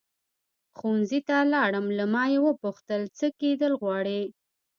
ښوونځي ته لاړم له ما یې وپوښتل څه کېدل غواړې.